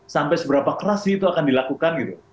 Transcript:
sampai seberapa keras sih itu akan dilakukan gitu